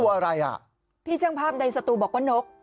อะไรอ่ะพี่ช่างภาพในสตูบอกว่านก